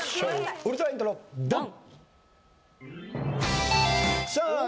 ウルトライントロドン！